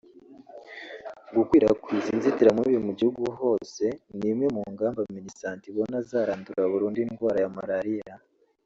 Gukwirakwiza inzitiramibu mu gihugu hose ni imwe mu ngamba Minisante ibona zarandura burundu indwara ya malariya